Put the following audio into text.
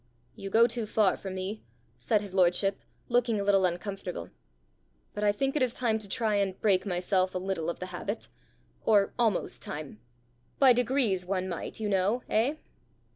"You go too far for me," said his lordship, looking a little uncomfortable, "but I think it is time to try and break myself a little of the habit or almost time. By degrees one might, you know, eh?"